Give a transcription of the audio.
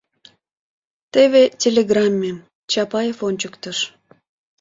— Теве, телеграмме, — Чапаев ончыктыш.